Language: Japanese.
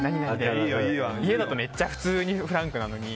家だとめっちゃ普通にフランクなのに。